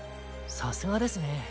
さすがですね。